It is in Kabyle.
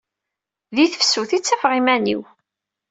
Di tefsut i ttafeɣ iman-iw.